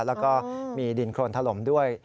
แล้วก็มีดินโครนถล่มด้วย